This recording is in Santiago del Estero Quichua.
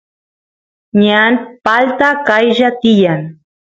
ñan palta qaylla tiyan